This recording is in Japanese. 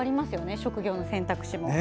職業の選択肢も。